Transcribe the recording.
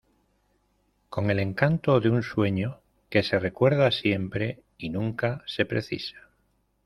con el encanto de un sueño que se recuerda siempre y nunca se precisa.